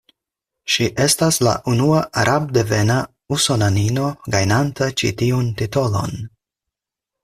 Ŝi estas la unua arabdevena usonanino, gajnanta ĉi tiun titolon.